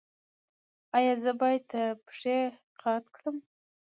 ایا زه باید پښې قات کړم؟